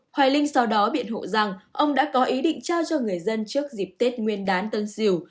hoài linh sau đó biện hộ rằng ông đã có ý định trao cho người dân trước dịp tết nguyên đán tân sỉu